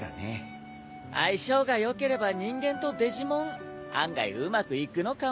相性が良ければ人間とデジモン案外うまくいくのかも。